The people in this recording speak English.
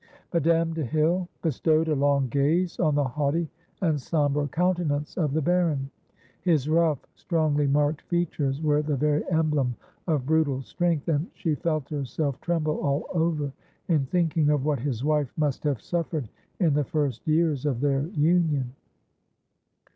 Madame de Hell bestowed a long gaze on the haughty and sombre countenance of the baron. His rough, strongly marked features were the very emblem of brutal strength, and she felt herself tremble all over in thinking of what his wife must have suffered in the first years of their union.